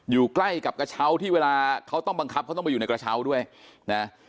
อยู่ใกล้กับกระเช้าที่เวลาเขาต้องบังคับเขาต้องไปอยู่ในกระเช้าด้วยนะ